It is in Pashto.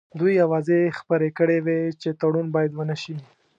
دوی اوازې خپرې کړې وې چې تړون باید ونه شي.